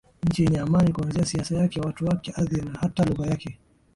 Nchi yenye Amani Kuanzia siasa yake watu wake ardhi na hata lugha yake